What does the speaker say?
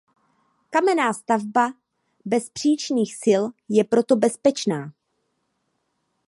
Kamenná stavba bez příčných sil je proto bezpečná.